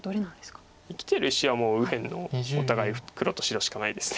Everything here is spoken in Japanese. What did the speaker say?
生きてる石はもう右辺のお互い黒と白しかないです。